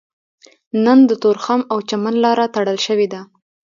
نن د تورخم او چمن لاره تړل شوې ده